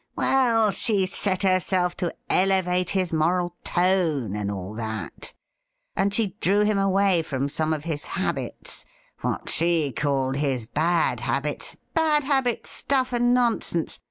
' Well, she set herself to elevate his moral tone and all that, and she drew him away from some of his habits — what she called his bad habits — bad habits, stuff and nonsense